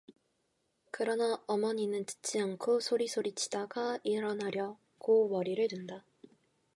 그러나 어머니는 듣지 않고 소리 소리치다가 일어나려고 머리를 든다.